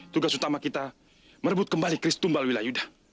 tugas utama kita merebut kembali kristumbal wilayuda